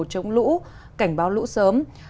chống lũ cảnh báo lũ sớm